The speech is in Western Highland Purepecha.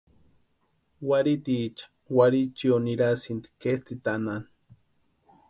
Warhitiicha warhichio ninhasïnti ketsʼïtanhani.